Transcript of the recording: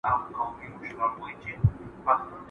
نهٔ ده چې زه ګنې جنـــــــت نه منـــــم